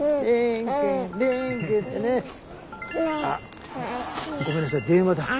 あっごめんなさい電話だ。